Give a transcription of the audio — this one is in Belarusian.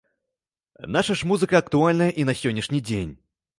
Наша ж музыка актуальная і на сённяшні дзень.